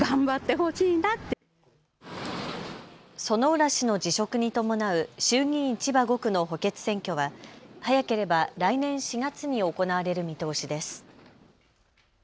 薗浦氏の辞職に伴う衆議院千葉５区の補欠選挙は早ければ来年４月に行われる見通しです。